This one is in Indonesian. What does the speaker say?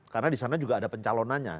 karena di sana juga ada pencalonannya